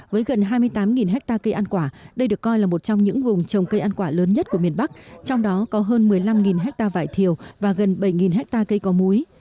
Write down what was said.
với gần hai mươi tám hectare cây ăn quả đây được coi là một trong những vùng trồng cây ăn quả lớn nhất của miền bắc trong đó có hơn một mươi năm hectare vải thiều và gần bảy hectare cây có múi